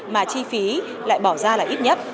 mà chi phí lại bỏ ra là ít nhất